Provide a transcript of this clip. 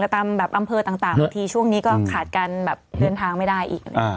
ตามแบบอำเภอต่างบางทีช่วงนี้ก็ขาดการแบบเดินทางไม่ได้อีก